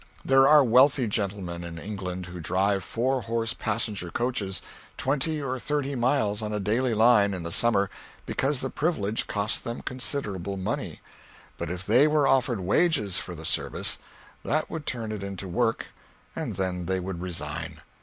There are wealthy gentlemen in England who drive four horse passenger coaches twenty or thirty miles on a daily line, in the summer, because the privilege costs them considerable money; but if they were offered wages for the service, that would turn it into work and then they would resign.